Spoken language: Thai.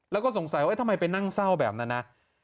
แล้วก็สงสัยว่าทำไมไปนั่งเศร้าแบบนั้นนะ